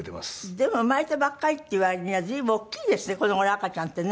でも生まれたばっかりっていう割には随分大きいですねこの頃の赤ちゃんってね。